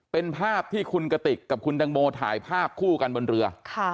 เป็นภาพที่คุณกติกกับคุณตังโมถ่ายภาพคู่กันบนเรือ